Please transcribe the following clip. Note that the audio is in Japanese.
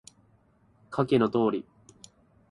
下記の通り